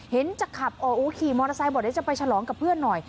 จะขับออกขี่มอเตอร์ไซค์บอกเดี๋ยวจะไปฉลองกับเพื่อนหน่อย